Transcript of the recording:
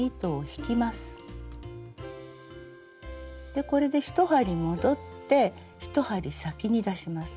でこれで１針戻って１針先に出します。